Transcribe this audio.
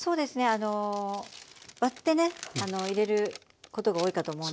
あの割ってね入れることが多いかと思うんですけど。